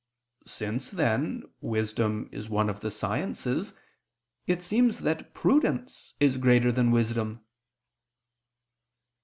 Since, then, wisdom is one of the sciences, it seems that prudence is greater than wisdom.